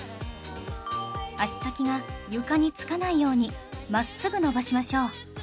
足先が床につかないように真っすぐ伸ばしましょう